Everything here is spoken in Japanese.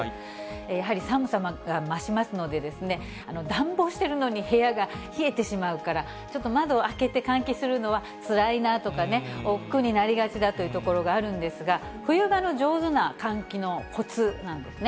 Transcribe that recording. やはり寒さが増しますので、暖房してるのに部屋が冷えてしまうから、ちょっと窓を開けて換気するのはつらいなとかね、おっくうになりがちだというところがあるんですが、冬場の上手な換気のこつなんですね。